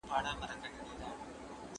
نورو ته په ځیر سره غوږ ونیسئ.